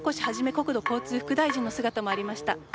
国土交通副大臣の姿もありました。